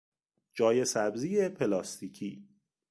جای سبزی پلاستیکی